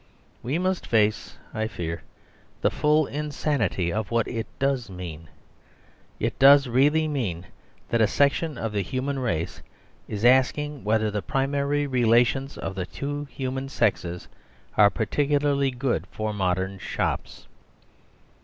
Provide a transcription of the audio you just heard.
We must face, I fear, the full insanity of what it does mean. It does really mean that a section of the human race is asking whether the primary relations of the two human sexes are particularly good for modern shops.